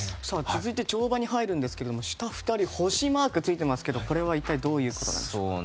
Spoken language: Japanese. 続いて跳馬に入るんですが下２人星マークがついていますがこれは一体どういうことでしょう。